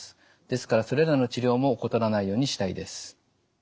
ですからそれらの治療も怠らないようにしたいです。